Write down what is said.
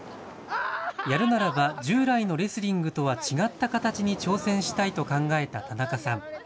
やるならば、従来のレスリングとは違った形に挑戦したいと考えた田中さん。